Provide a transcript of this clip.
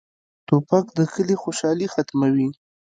توپک د کلي خوشالي ختموي.